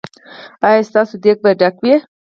ایا ستاسو دیګ به ډک وي؟